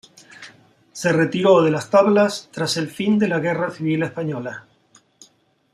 Se retiró de las tablas tras el fin de la Guerra Civil Española.